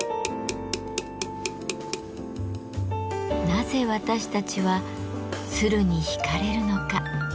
なぜ私たちは鶴に引かれるのか。